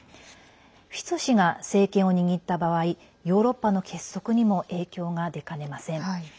フィツオ氏が政権を握った場合ヨーロッパの結束にも影響が出かねません。